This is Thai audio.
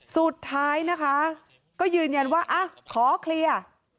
สุดท้ายนะคะก็ยืนยันว่าขอเคลียร์